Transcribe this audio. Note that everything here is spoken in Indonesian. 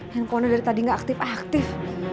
handphonenya dari tadi nggak aktif aktif